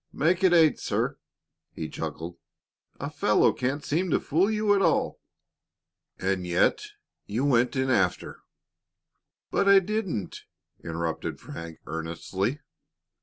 "Make it eight, sir," he chuckled. "A fellow can't seem to fool you at all." "And yet you went in after " "But I didn't!" interrupted Frank, earnestly.